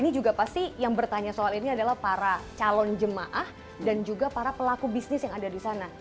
ini juga pasti yang bertanya soal ini adalah para calon jemaah dan juga para pelaku bisnis yang ada di sana